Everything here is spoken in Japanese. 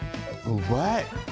うまい。